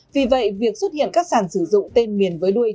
vì vậy việc xuất hiện các sàn sử dụng tên miền với tên miền